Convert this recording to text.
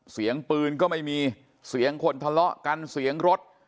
เสียงปืนก็ไม่มีเสียงคนทะเลาะกันเสียงรถ